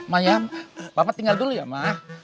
mama ya papa tinggal dulu ya ma